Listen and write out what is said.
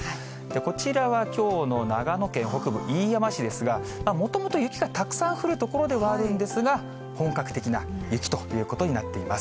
こちらはきょうの長野県北部、飯山市ですが、もともと雪がたくさん降る所ではあるんですが、本格的な雪ということになっています。